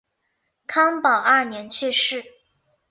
康保二年去世。